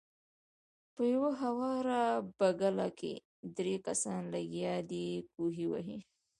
پۀ يوه هواره بګله کښې درې کسان لګيا دي کوهے وهي